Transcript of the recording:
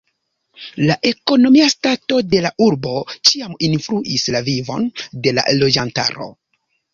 La ekonomia stato de la urbo ĉiam influis la vivon de la loĝantaro.